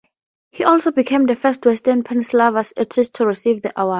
He also became the first Western Pennsylvania artist to receive the award.